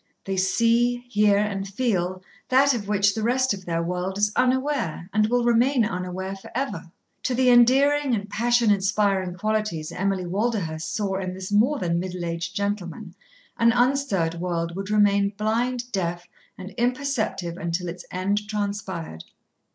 They see, hear, and feel that of which the rest of their world is unaware, and will remain unaware for ever. To the endearing and passion inspiring qualities Emily Walderhurst saw in this more than middle aged gentleman an unstirred world would remain blind, deaf, and imperceptive until its end transpired.